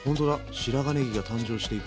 白髪ねぎが誕生していく。